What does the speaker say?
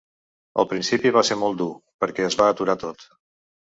Al principi va ser molt molt dur, perquè es va aturar tot.